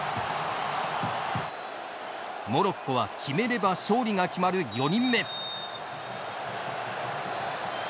モロッコは決めれば勝利が決まる４人目。